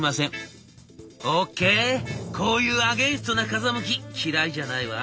「オーケーこういうアゲインストな風向き嫌いじゃないわ。